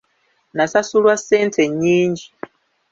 Nasasulwa ssente nnyingi .